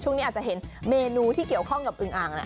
ช่วงนี้อาจจะเห็นเมนูที่เกี่ยวข้องกับอึงอ่าง